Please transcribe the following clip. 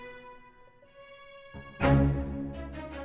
ya udah tante aku tunggu di situ ya